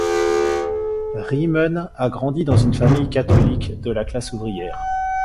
Riemen a grandi dans une famille catholique de la classe ouvrière.